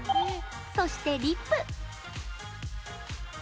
そして、リップ。